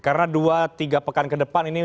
karena dua tiga pekan kedepan ini